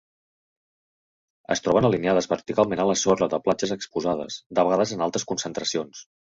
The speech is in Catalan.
Es troben alineades verticalment a la sorra de platges exposades, de vegades en altes concentracions.